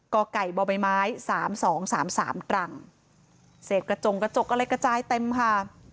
ก่อก่ายบ่อไม้ไม้๓๒๓๓ตรั่งเสฟกระจงกระจกอะไรกระจายเต็มค่ะ